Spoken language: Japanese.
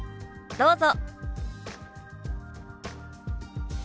どうぞ。